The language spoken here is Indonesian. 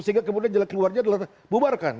sehingga kemudian jalan keluarnya adalah bubarkan